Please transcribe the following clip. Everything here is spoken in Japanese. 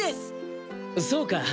そうか。